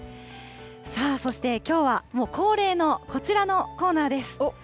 さあ、そしてきょうは、もう恒例のこちらのコーナーです。